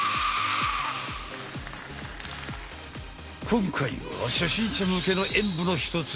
今回は初心者向けの演武の一つ